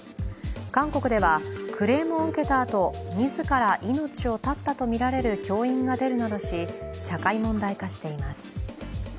韓国では、クレームを受けたあと、自ら命を絶ったとみられる教員が出るなどし、社会問題化しています。